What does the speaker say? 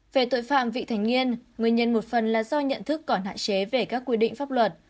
về tội phạm vị thành niên nguyên nhân một phần là do nhận thức còn hạn chế về các quy định pháp luật